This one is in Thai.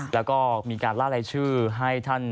แล้วก็มีการล่ารายชื่อให้ท่าน